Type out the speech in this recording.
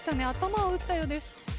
頭を打ったようです。